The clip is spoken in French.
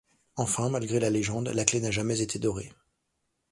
Enfin, malgré la légende, la clé n'a jamais été dorée.